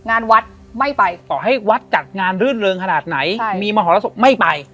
งานวัดไม่ไปต่อให้วัดจัดงานรื่นเริงขนาดไหนมีมหรสบไม่ไป